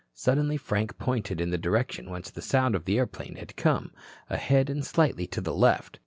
Suddenly Frank pointed in the direction whence the sound of the airplane had come, ahead and slightly to the left.